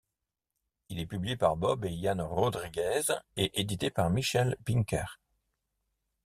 Il est publié par Bob et Jan Rodriguez et édité par Michelle Binker.